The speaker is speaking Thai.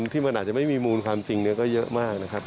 ที่มันอาจจะไม่มีมูลความจริงก็เยอะมากนะครับ